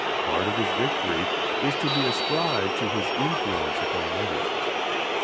Part of his victory is to be ascribed to his influence upon others.